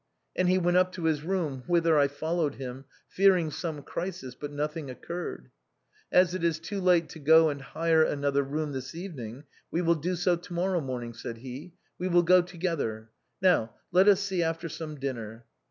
And he went up to his room, whither I followed him, fearing some crisis, but nothing occurred. ' As it is too late to go and hire another room this evening we will do so to morrow morning,' said he, ' we will go together. Now let us see after some dinner.'